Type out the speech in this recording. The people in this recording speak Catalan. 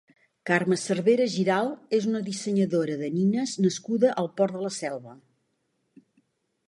Carme Cervera Giralt és una dissenyadora de nines nascuda al Port de la Selva.